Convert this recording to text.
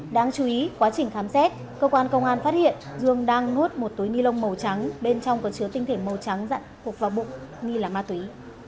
đáng chú ý quá trình khám xét cơ quan công an phát hiện dương đang nuốt một túi ni lông màu trắng bên trong có chứa tinh thể màu trắng dặn hụt vào bụng nghi là ma túy